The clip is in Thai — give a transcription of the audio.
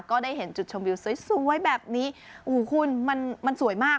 ก็ได้เห็นจุดชมวิวสวยแบบนี้โอ้โหคุณมันมันสวยมาก